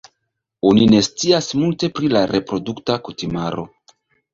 Oni ne scias multe pri la reprodukta kutimaro.